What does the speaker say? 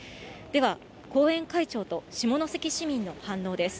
では、後援会長と下関市民の反応です。